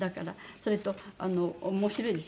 それと面白いですよね。